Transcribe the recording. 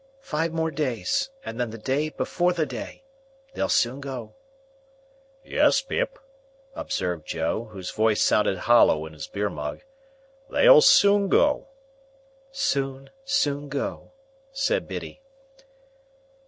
"Five more days, and then the day before the day! They'll soon go." "Yes, Pip," observed Joe, whose voice sounded hollow in his beer mug. "They'll soon go." "Soon, soon go," said Biddy.